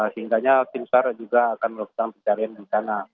sehingga tim sar juga akan melakukan pencarian di sana